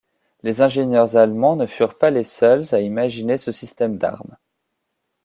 Les ingénieurs allemands ne furent pas les seuls à imaginer ce système d'armes.